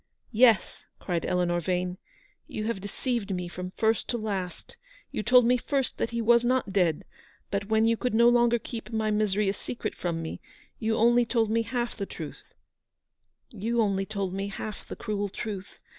" Yes," cried Eleanor Yane, " you have deceived me from first to last. You told me first that he was not dead; but when you cou]d no longer keep my misery a secret from me, you only told me half the truth — you only told me half the cruel truth.